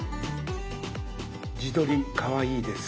「自撮りかわいいです！」